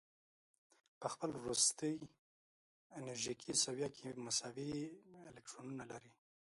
په خپل وروستي انرژیکي سویه کې مساوي الکترونونه لري.